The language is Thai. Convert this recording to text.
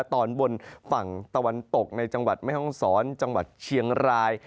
ตอนบนฝั่งตะวันตกในจังหวัดแม่ห้องศรจังหวัดเชียงราย